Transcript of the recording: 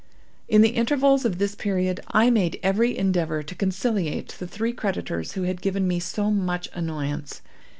In the intervals of this period, I made every endeavor to conciliate the three creditors who had given me so much annoyance.